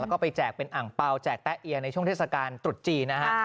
แล้วก็ไปแจกเป็นอ่างเปล่าแจกแต๊เอียในช่วงเทศกาลตรุษจีนนะฮะ